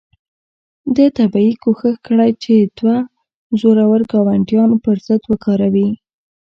ده طبیعي کوښښ کړی چې دوه زورور ګاونډیان پر ضد وکاروي.